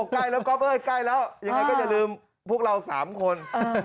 ก็จะลืมพวกเรา๓คน